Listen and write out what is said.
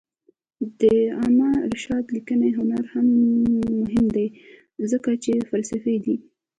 د علامه رشاد لیکنی هنر مهم دی ځکه چې فلسفي دی.